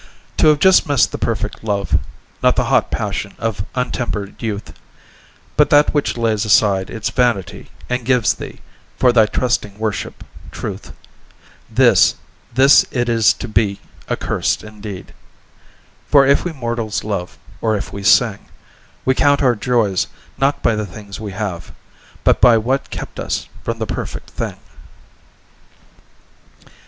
To have just missed the perfect love, Not the hot passion of untempered youth, But that which lays aside its vanity And gives thee, for thy trusting worship, truth— This, this it is to be accursed indeed; For if we mortals love, or if we sing, We count our joys not by the things we have, But by what kept us from the perfect thing.